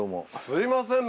すいません